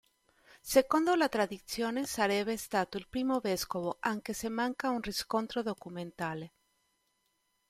Secondo la tradizione sarebbe stato il primo vescovo, anche se manca un riscontro documentale.